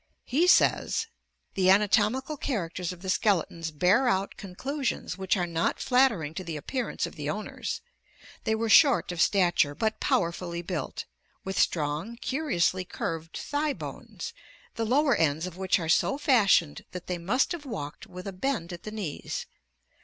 He says: "'The anatomical characters of the skeletons bear out conclu sions which are not flattering to the appearance of the owners. They were short of stature but powerfully built, with strong, curi 68o ORGANIC EVOLUTION ously curved thigh bones, the lower ends of which are so fashioned that they must have walked with a bend at the knees.